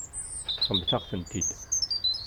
Teṭṭfemt-aɣ-ten-id.